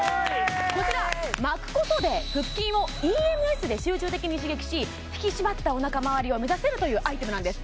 こちら巻くことで腹筋をＥＭＳで集中的に刺激し引き締まったお腹まわりを目指せるというアイテムなんです